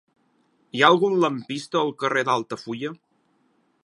Hi ha algun lampista al carrer d'Altafulla?